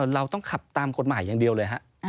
เราต้องขับตามกฎหมายอย่างเดียวเลยฮะ